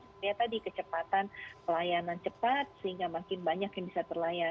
seperti tadi kecepatan pelayanan cepat sehingga makin banyak yang bisa terlayar